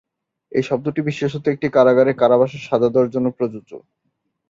এই শব্দটি বিশেষত একটি কারাগারে কারাবাসের সাজা দেওয়ার জন্য প্রযোজ্য।